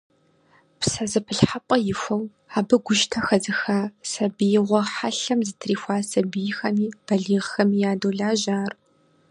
ПсэзэпылъхьэпӀэ ихуэу, абы гущтэ хэзыха, сабиигъуэ хьэлъэм зэтрихуа сабийхэми балигъхэми ядолажьэ ар.